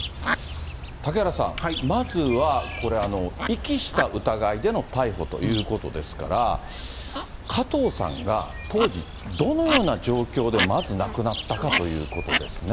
嵩原さん、まずは、これ、遺棄した疑いでの逮捕ということですから、加藤さんが当時、どのような状況で、まず亡くなったかということですね。